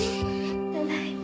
ただいま。